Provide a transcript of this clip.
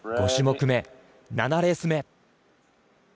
５種目め、７レース目。